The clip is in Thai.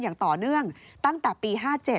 อย่างต่อเนื่องตั้งแต่ปี๕๗